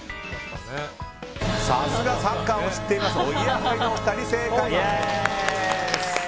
さすがサッカーを知っているおぎやはぎのお二人、正解です。